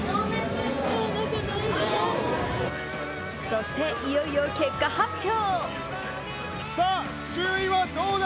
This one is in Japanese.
そして、いよいよ結果発表。